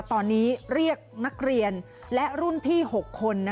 ตอนนี้เรียกนักเรียนและรุ่นพี่๖คน